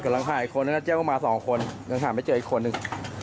พามาสองคนทำทำไมเจออีกคนนึง